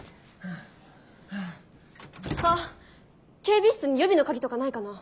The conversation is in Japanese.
警備室に予備の鍵とかないかな？